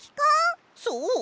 そう！